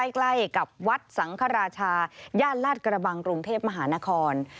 ใกล้กับวัดสังฆราชาย่านลาดกระบังกรุงเทพมหานคร